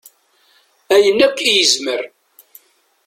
Ayen akk i yezmer.